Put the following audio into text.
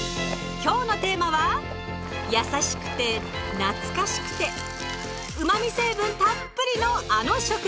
今日のテーマは優しくて懐かしくてうまみ成分たっぷりのあの食材！